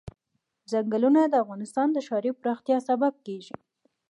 ځنګلونه د افغانستان د ښاري پراختیا سبب کېږي.